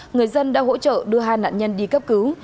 người dân đã hỗ trợ đưa hai nạn nhân đi cấp cứu